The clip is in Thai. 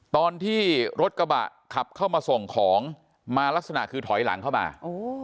ตอนที่รถกระบะขับเข้ามาส่งของมาลักษณะคือถอยหลังเข้ามาโอ้